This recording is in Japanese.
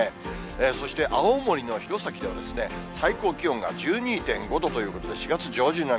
そして青森の弘前では、最高気温が１２．５度ということで、４月上旬並み。